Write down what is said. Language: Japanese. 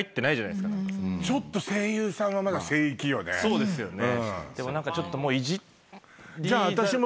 そうですよね。